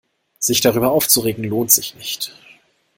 Sich darüber aufzuregen, lohnt sich nicht.